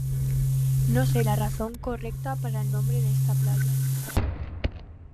No se la razón correcta para el nombre de esta playa.